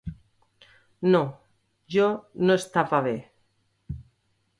No, jo no estava bé.